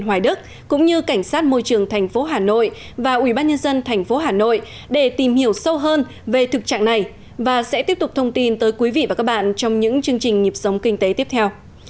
hãy đăng ký kênh để ủng hộ kênh của chúng mình nhé